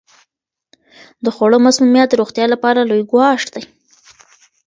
د خوړو مسمومیت د روغتیا لپاره لوی ګواښ دی.